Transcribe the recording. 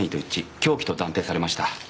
凶器と断定されました。